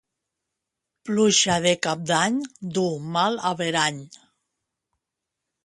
Pluja de Cap d'Any duu mal averany.